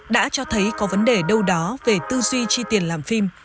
đã cho thấy có vấn đề đâu đó về tư duy chi tiền làm phim